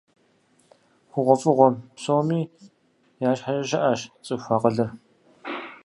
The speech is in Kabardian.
ХъугъуэфӀыгъуэ псоми я щхьэкӀэ щыӀэщ цӀыху акъылыр.